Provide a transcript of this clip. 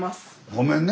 ごめんね